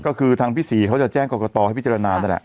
ก็คือทางพี่ศรีเขาจะแจ้งกรกตให้พิจารณานั่นแหละ